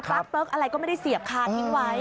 ปลั๊กเปลือกอะไรก็ไม่ได้เสียบคาทิ้งไว้